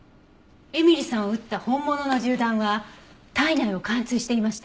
絵美里さんを撃った本物の銃弾は体内を貫通していました。